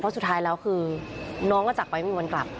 สุดท้ายแล้วคือน้องก็จากไปไม่มีวันกลับ